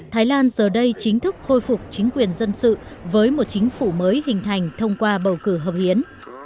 thái lan giờ đây chính thức khôi phục chính quyền dân sự với một chính phủ mới hình thành thông qua bầu cử hợp hiến